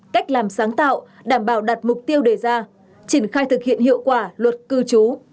cách làm sáng tạo đảm bảo đặt mục tiêu đề ra triển khai thực hiện hiệu quả luật cư trú